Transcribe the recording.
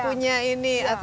punya penaining science